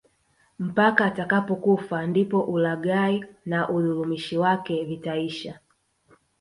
Mpaka atakapokufa ndipo ulaghai na udhulumishi wake vitaisha